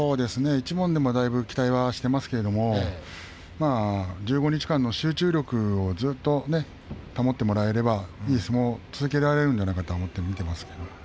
一門でもだいぶ期待はしていますけれど１５日間の集中力をずっと保ってもらえればいい相撲を続けられるんじゃないかと思って見ています。